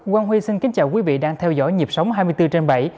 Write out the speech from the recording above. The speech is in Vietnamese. quang huy xin kính chào quý vị đang theo dõi nhịp sống hai mươi bốn trên bảy